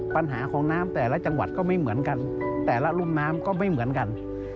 ปัญหาของน้ำแต่ละจังหวัดก็ไม่เหมือนกันแต่ละรุ่มน้ำก็ไม่เหมือนกัน